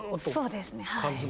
そうですね。